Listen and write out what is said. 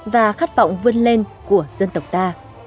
và khát vọng vươn lên của dân tộc ta